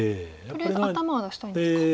とりあえず頭は出したいんですか。